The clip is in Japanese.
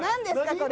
これ。